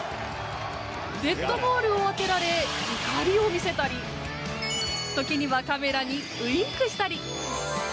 デッドボールを当てられ怒りを見せたり時にはカメラにウィンクしたり。